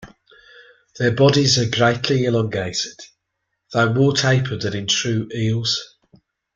Their bodies are greatly elongated, though more tapered than in true eels.